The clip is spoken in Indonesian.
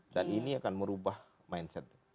dan ini akan merubah mindset